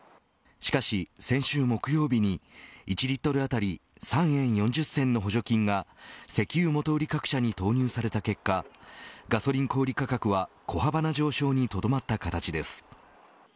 しかし、先週木曜日に１リットル当たり３円４０銭の補助金が石油元売り各社に投入された結果ガソリン小売価格は